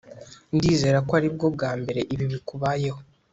ndizera ko aribwo bwa mbere ibi bikubayeho